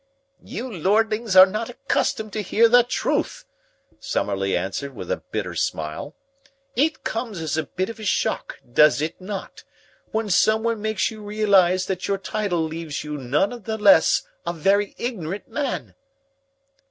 "You lordlings are not accustomed to hear the truth," Summerlee answered with a bitter smile. "It comes as a bit of a shock, does it not, when someone makes you realize that your title leaves you none the less a very ignorant man?"